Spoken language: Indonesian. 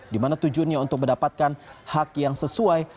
di mana tujuannya untuk mendapatkan hak yang sesuai